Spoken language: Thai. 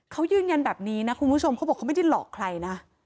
เขายืนยันแบบนี้นะคุณผู้ชมเขาบอกเขาไม่ได้หลอกใครนะ